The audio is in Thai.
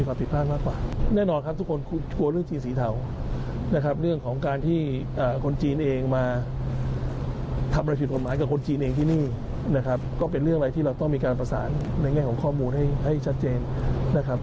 ก็เป็นเรื่องอะไรที่เราต้องมีการประสานในแง่ของข้อมูลให้ชัดเจนนะครับ